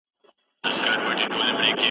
د خلګو د ژوند معيار به ښه والی ومومي.